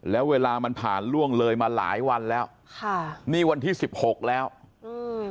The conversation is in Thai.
แล้วเวลามันผ่านล่วงเลยมาหลายวันแล้วค่ะนี่วันที่สิบหกแล้วอืม